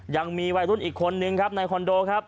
ยังมีวัยรุ่นอีกคนนึงครับในคอนโดครับ